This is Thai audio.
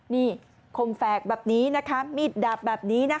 นี่คมแฟกแบบนี้มิดดับแบบนี้